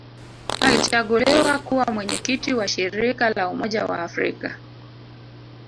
Alichaguliwa kuwa Mwenyekiti wa Shirika la Umoja wa Afrika